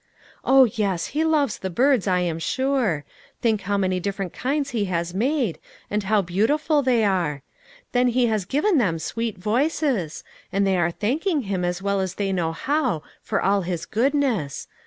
" Oh, yes, He loves the birds, I am sure ; think how many different kinds He has made, and how beautiful they are. Then He has given them sweet voices, and they are thanking Him as well as they know how, for all his goodness.